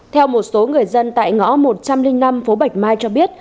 theo một số người dân tại ngõ một trăm linh năm phố bạch mai cho biết